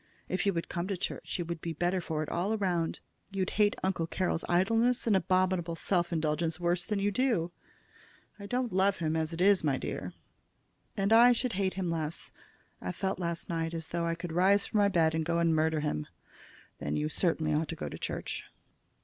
If you would come to church you would be better for it all round. You'd hate Uncle Carroll's idleness and abominable self indulgence worse than you do." "I don't love him, as it is, my dear." "And I should hate him less. I felt last night as though I could rise from my bed and go and murder him." "Then you certainly ought to go to church."